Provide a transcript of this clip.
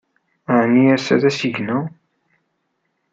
Ɛni ass-a d asigna?